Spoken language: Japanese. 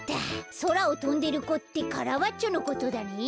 そらをとんでる子ってカラバッチョのことだね。